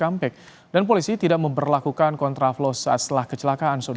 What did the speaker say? arus lalu lintas setelah tolongan kecil